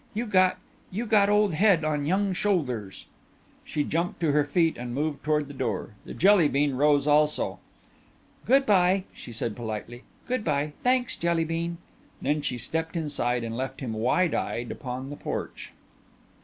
You got you got old head on young shoulders." She jumped to her feet and moved toward the door. The Jelly bean rose also. "Good bye," she said politely, "good bye. Thanks, Jelly bean." Then she stepped inside and left him wide eyed upon the porch.